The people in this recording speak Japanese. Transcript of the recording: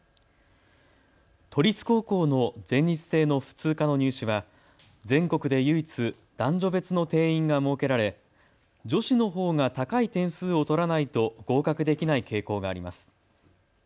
都立高校の全日制の普通科の入試は全国で唯一、男女別の定員が設けられ女子のほうが高い点数を取らないと合格できない傾向があります。